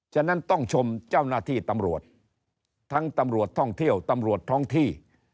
ฉะนั้นต้องชมเจ้าหน้าที่ตำรวจทั้งตำรวจท่องเที่ยวตำรวจท้องที่